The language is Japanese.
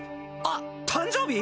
あっ誕生日？